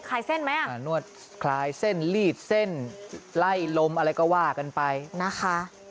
ลายเส้นไหมอ่ะอ่านวดคลายเส้นลีดเส้นไล่ลมอะไรก็ว่ากันไปนะคะ